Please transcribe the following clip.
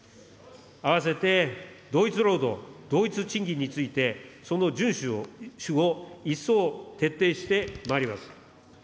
あわせて、同一労働同一賃金について、その順守を一層徹底してまいります。